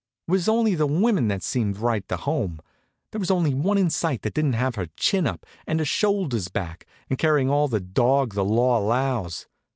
It was only the women that seemed right to home. There wasn't one in sight that didn't have her chin up and her shoulders back, and carrying all the dog the law allows.